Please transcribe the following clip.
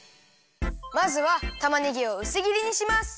まずはたまねぎをうすぎりにします。